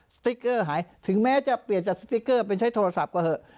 สติ๊กเกอร์หายถึงแม้จะเปลี่ยนจากสติ๊กเกอร์เป็นใช้โทรศัพท์ก็เหอะ